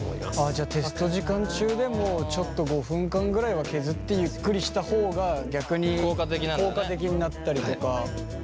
じゃテスト時間中でもちょっと５分間ぐらいは削ってゆっくりした方が逆に効果的になったりとか。